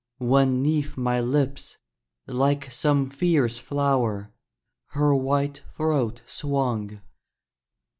When 'neath my lips, like some fierce flower, Her white throat swung!